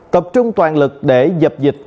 tập trung toàn lực để dập dịch